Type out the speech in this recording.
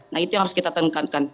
nah itu yang harus kita tingkatkan